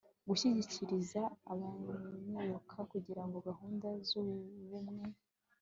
gushishikariza ababyiruka kugira gahunda z ubumwe